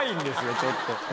ちょっと。